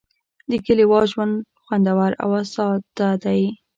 د کلیوال ژوند خوندور او ساده دی.